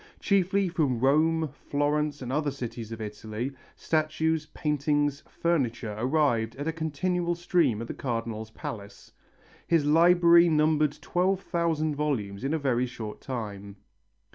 Chiefly from Rome, Florence and other cities of Italy, statues, paintings, furniture arrived in a continual stream at the Cardinal's palace. His library numbered twelve thousand volumes in a very short time.